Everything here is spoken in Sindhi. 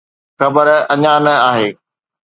خبر اڃا نه آهي.